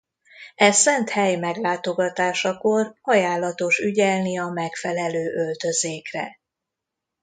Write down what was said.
E szent hely meglátogatásakor ajánlatos ügyelni a megfelelő öltözékre.